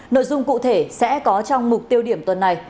nội dung cụ thể sẽ có trong mục tiêu điểm tuần này